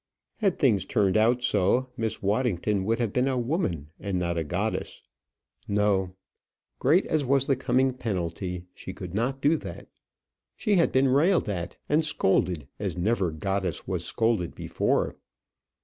Had things turned out so, Miss Waddington would have been a woman and not a goddess. No; great as was the coming penalty, she could not do that. She had been railed at and scolded as never goddess was scolded before.